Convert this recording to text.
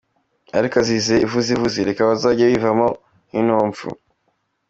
Ariko azize ivuzivuzi. Reka bazajye bivamo nk’inompfu.